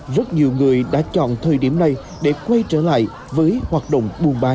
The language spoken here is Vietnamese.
rất nhiều người đã chọn thời điểm này để quay trở lại với hoạt động buôn bán